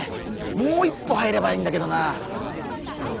もう一歩入ればいいんだけどな。